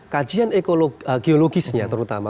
kajian geologisnya terutama